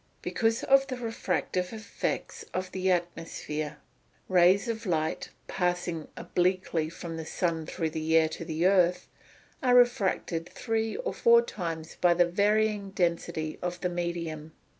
_ Because of the refractive effects of the atmosphere. Rays of light, passing obliquely from the sun through the air to the earth, are refracted three or four times by the varying density of the medium.